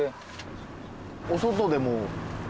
お外でも。